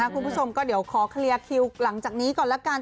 คุณผู้ชมก็เดี๋ยวขอเคลียร์คิวหลังจากนี้ก่อนละกัน